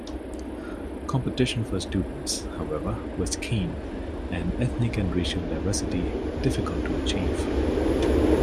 Competition for students, however, was keen, and ethnic and racial diversity difficult to achieve.